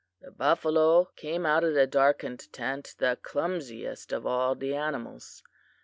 "The buffalo came out of the darkened tent the clumsiest of all the animals.